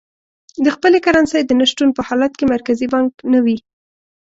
د خپلې کرنسۍ د نه شتون په حالت کې مرکزي بانک نه وي.